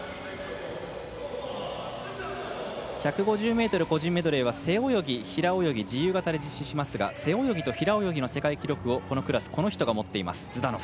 １５０ｍ個人メドレーは背泳ぎ、平泳ぎ自由形で実施しますが背泳ぎと平泳ぎの世界記録をこのクラス、この人が持っています、ズダノフ。